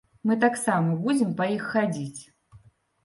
Мы таксама будзем па іх хадзіць!